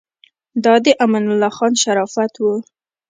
دا د امان الله خان شرافت و.